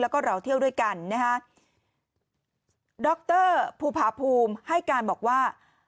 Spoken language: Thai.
แล้วก็เราเที่ยวด้วยกันนะฮะดรภูพาภูมิให้การบอกว่า